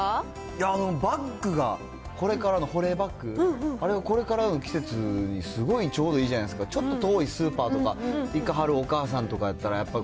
いや、あのバッグが、これからの保冷バッグ、あれ、これからの季節にすごいちょうどいいじゃないですか、ちょっと遠いスーパーとかいかはるお母さんとかやったら、やっぱ